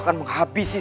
pada saat ini